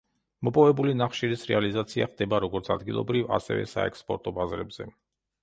მოპოვებული ნახშირის რეალიზაცია ხდება როგორც ადგილობრივ, ასევე საექსპორტო ბაზრებზე.